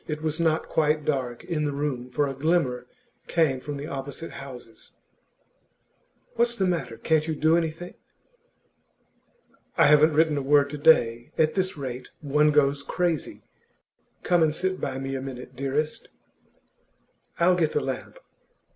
It was not quite dark in the room, for a glimmer came from the opposite houses. 'What's the matter? Can't you do anything?' 'I haven't written a word to day. At this rate, one goes crazy. Come and sit by me a minute, dearest.' 'I'll get the lamp.